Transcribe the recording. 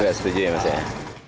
nggak sejujurnya masih ya